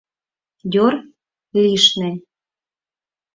Дёр лишне.